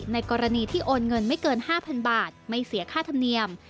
ในกรณีที่โอนเงินไม่เกิน๕๐๐๐บาทไม่เสียค่าธรรมเนียม